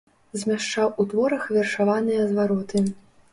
Змяшчаў у творах вершаваныя звароты.